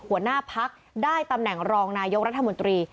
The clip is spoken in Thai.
หัวหน้าพักได้ตำแหน่งรองนายกรัฐมนตรี